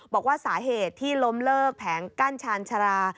บอกว่าสาเหตุที่ล้มเลิกแผงกั้นชาญชารา